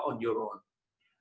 anda berada di luar